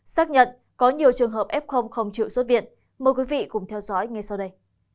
xác nhận có nhiều trường hợp f không chịu xuất viện mời quý vị cùng theo dõi ngay sau đây